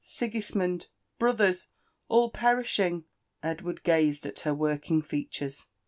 — Sigismond 1— Brothers 1 — All perishing 1" Edward gazed at her working features.